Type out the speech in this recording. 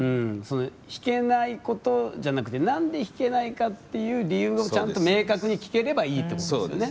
弾けないことじゃなくて何で弾けないかっていう理由をちゃんと明確に聞ければいいということですね。